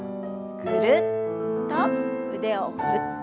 ぐるっと腕を振って。